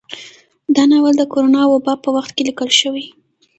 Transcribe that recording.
دا ناول د کرونا وبا په وخت کې ليکل شوى